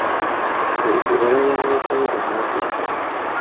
Buli gwe walabangako ng’omwegomba!